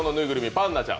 パンナちゃん